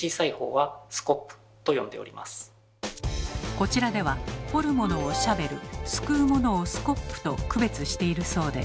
こちらでは掘るものをシャベルすくうものをスコップと区別しているそうで。